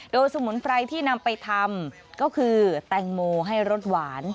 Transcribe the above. โดยสมุนไพรที่นำไปทำก็คือแตงโมให้รสหวาน